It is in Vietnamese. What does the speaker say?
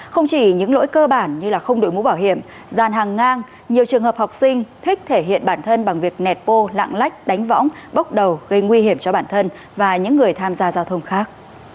không chỉ những lỗi cơ bản như không đổi mũ bảo hiểm dàn hàng ngang nhiều trường hợp học sinh thích thể hiện bản thân bằng việc nẹt bô lạng lách đánh võng bốc đầu gây nguy hiểm cho bản thân và những người tham gia giao thông khác